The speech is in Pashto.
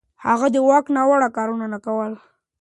هغه د واک ناوړه کارونه نه کول.